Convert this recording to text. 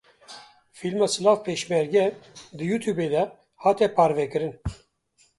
Fîlma Silav Pêşmerge di Youtubeê de hate parvekirin.